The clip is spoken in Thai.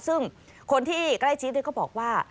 ซึ่งคนที่ใกล้ชิดก็บอกว่า